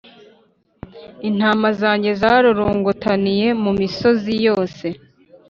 Intama zanjye zarorongotaniye mu misozi yose